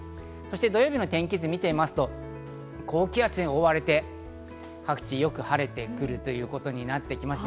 土曜日の天気図を見てみますと、高気圧に覆われて各地よく晴れてくるということになってきます。